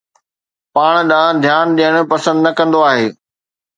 پاڻ ڏانهن ڌيان ڏيڻ پسند نه ڪندو آهي